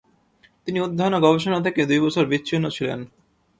তিনি অধ্যয়ন ও গবেষণা থেকে দুই বছর বিছিন্ন ছিলেন।